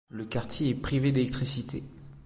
Le quartier est privé d'électricité.